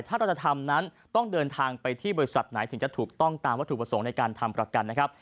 ถ้าเราจะทำนั้นต้องเดินทางไปที่บริษัทไหนถึงจะถูกต้องตามวัตถุประสงค์ในการทำประกันนะครับ